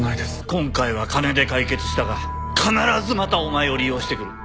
今回は金で解決したが必ずまたお前を利用してくる。